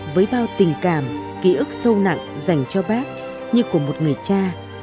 với bao tình cảm ký ức sâu nặng dành cho bác như của một người cha